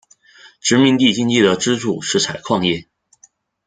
殖民地经济的支柱是采矿业。